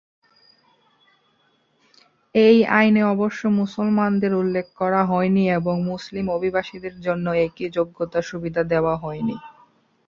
এই আইনে অবশ্য মুসলমানদের উল্লেখ করা হয়নি এবং মুসলিম অভিবাসীদের জন্য একই যোগ্যতার সুবিধা দেওয়া হয়নি।